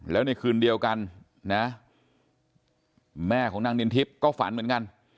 แล้วในคืนเดียวกันนะแม่ของนางนินทิพย์ก็ฝันเหมือนกัน